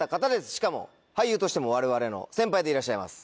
しかも俳優としても我々の先輩でいらっしゃいます。